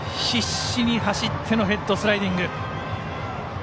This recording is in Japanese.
必死に走ってのヘッドスライディング。